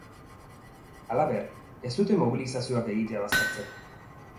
Halaber, ez dute mobilizazioak egitea baztertzen.